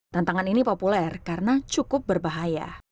tantangan ini populer karena cukup berbahaya